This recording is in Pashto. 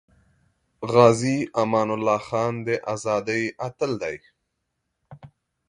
غازی امان الله خان د ازادی اتل دی